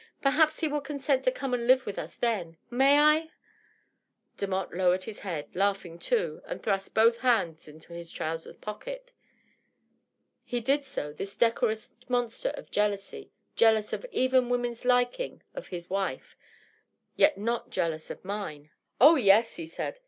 " Perhaps he will consent to come and live with us then ! May I ?" Demotte lowered his head, laughing too, and thrust both hands into his trousers' pockets. {He did so I — this decorous monster of jealousy, jealous of even women's liking of his wife, yet not jealous of mine !)" Oh, yes," he said.